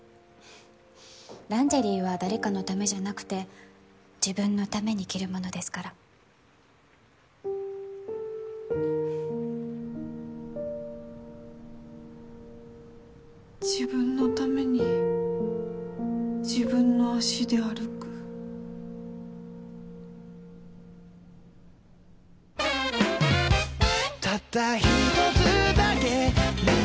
ランジェリーは誰かのためじゃなくて自分のために着るものですから自分のために自分の足で歩くおうスミレ